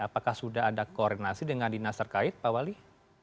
apakah sudah anda koordinasi dengan dinas terkait pak walia